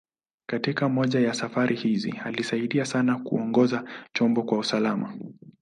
Katika moja ya safari hizi, alisaidia sana kuongoza chombo kwa usalama.